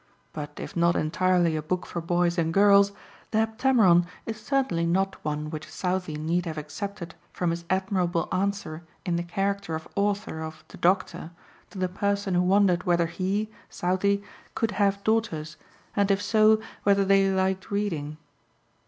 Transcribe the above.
But if not entirely a book for boys and girls, the Heptameron is certainly not one which Southey need have excepted from his admirable answer in the character of author of "The Doctor," to the person who wondered whether he (Southey) could have daughters, and if so, whether they liked reading.